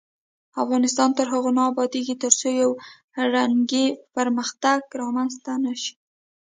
افغانستان تر هغو نه ابادیږي، ترڅو یو رنګی پرمختګ رامنځته نشي.